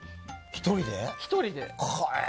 １人で？